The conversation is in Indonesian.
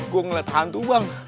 gua ngeliat hantu bang